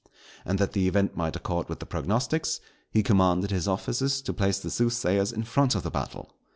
And that the event might accord with the prognostics, he commanded his officers to place the soothsayers in front of the battle.